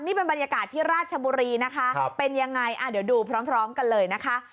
นี่เป็นบรรยากาศที่ราชบุรีนะคะเป็นยังไงเดี๋ยวดูพร้อมกันเลยนะคะ